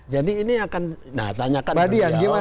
jadi ini akan nah tanyakan yang di bawah